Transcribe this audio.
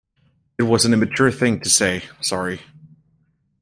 It was an immature thing to say, sorry.